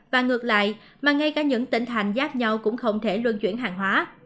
và ngược lại mà ngay cả những tỉnh thành khác nhau cũng không thể luân chuyển hàng hóa